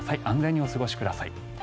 安全にお過ごしください。